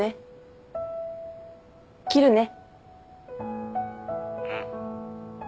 切るね。